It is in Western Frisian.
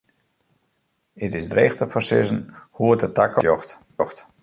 It is dreech te foarsizzen hoe't de takomst der út sjocht.